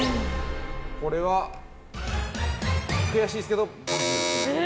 これは悔しいですけど×です。